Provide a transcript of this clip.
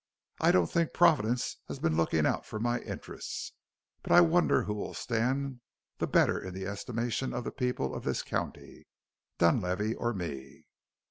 I don't think Providence has been looking out for my interests, but I wonder who will stand the better in the estimation of the people of this county Dunlavey or me?"